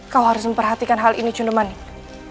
kau harus memperhatikan hal ini sunda manik